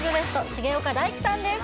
重岡大毅さんです